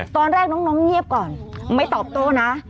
ตอนแรกน้องเงียบก่อนไม่ตอบโต้นะ